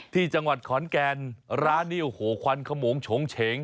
ที่จังหวัดขอนแก่นร้านนี้โอ้โหควันขมงโฉงเฉง